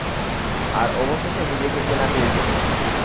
আর অবশেষে নিজেকে চেনাতে এসেছি।